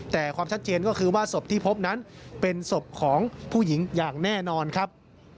แต่ความชัดเจนก็คือว่าศพที่พบนั้นเป็นศพของผู้หญิงอย่างแน่นอนครับ